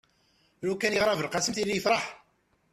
lukan yeɣra belqsem tili yefreḥ